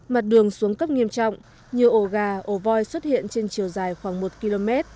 mặt đường xuống cấp nghiêm trọng nhiều ổ gà ổ voi xuất hiện trên chiều dài khoảng một km